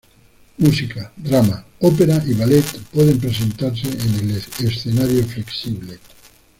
Música, drama, ópera y ballet pueden presentarse en el escenario flexible.